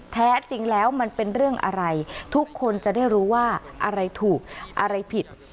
แท้จริงแล้วมันเป็นเรื่องอะไรทุกคนจะได้รู้ว่าอะไรถูกอะไรผิด